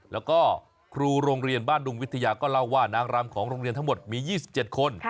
แล้วก็ครูโรงเรียนบ้านดุงวิทยาก็เล่าว่านางรำของโรงเรียนทั้งหมดมี๒๗คน